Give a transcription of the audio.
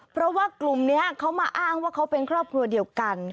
เพราะว่ากลุ่มนี้เขามาอ้างว่าเขาเป็นครอบครัวเดียวกัน